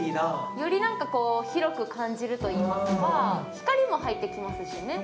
より広く感じるといいますか光も入ってきますしね。